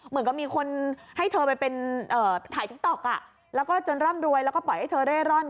เหมือนกับมีคนให้เธอไปเป็นถ่ายติ๊กต๊อกแล้วก็จนร่ำรวยแล้วก็ปล่อยให้เธอเร่ร่อน